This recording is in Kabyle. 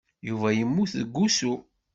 Yuba yemmut deg wusu.